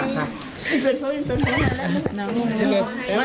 โอ้โหโอ้โห